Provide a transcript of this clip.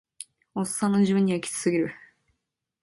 オッサンの自分にはキツすぎる